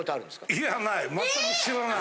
いやない。